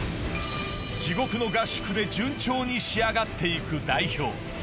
地獄の合宿で順調に仕上がっていく代表